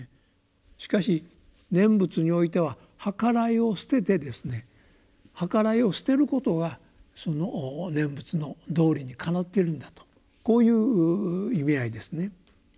しかし念仏においてははからいを捨ててですねはからいを捨てることがその念仏の道理にかなっているんだとこういう意味合いですね。